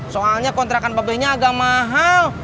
soalnya kontrakan pabriknya agak mahal